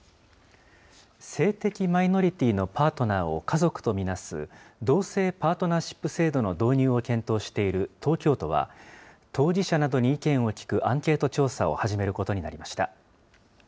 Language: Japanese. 性的マイノリティーのパートナーを家族と見なす、同性パートナーシップ制度の導入を検討している東京都は、当事者などに意見を聞くアンケート調査を始めることになりました。